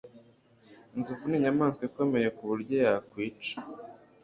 Inzovu ninyamaswa ikomeye kuburyo yakwica